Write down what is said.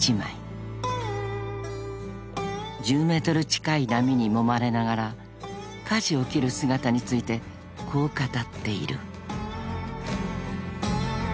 ［１０ｍ近い波にもまれながら舵をきる姿についてこう語っている］